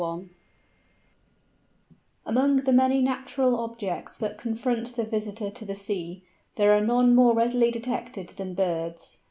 _ Amongst the many natural objects that confront the visitor to the sea, there are none more readily detected than birds.